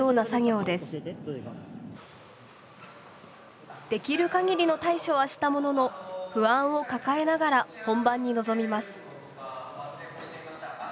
できるかぎりの対処はしたものの不安を抱えながら本番に臨みます。